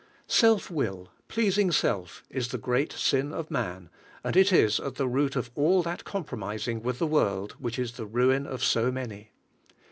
Self will, pleasing self, is the great fin of man, and it is at the root of all that compromising with the world which is the ruin of so many.